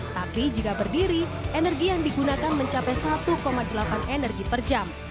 tapi jika berdiri energi yang digunakan mencapai satu delapan energi per jam